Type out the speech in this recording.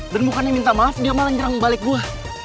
dan mukanya minta maaf dia malah nyerang balik gue